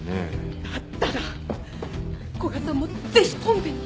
だったら古賀さんもぜひコンペに。